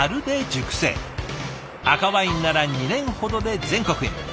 赤ワインなら２年ほどで全国へ。